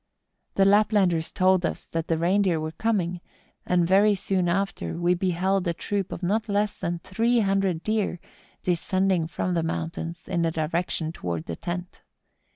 The Laplanders then told us that the rein deer were coming, and very soon after we beheld a troop of not less than three hundred deer descending from the mountains in a direction towards the tent.